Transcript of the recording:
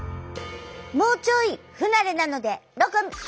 もうちょい不慣れなのでロコ２つ！